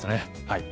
はい。